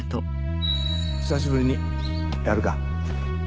久しぶりにやるか。